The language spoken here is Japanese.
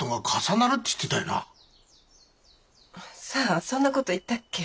さあそんな事言ったっけ。